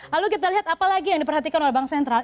lalu kita lihat apalagi yang diperhatikan oleh bank sentral